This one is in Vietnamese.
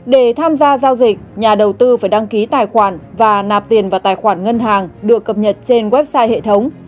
để tham gia giao dịch nhà đầu tư phải đăng ký tài khoản và nạp tiền vào tài khoản ngân hàng được cập nhật trên website hệ thống